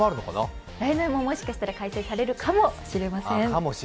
もしかしたら開催されるかもしれません。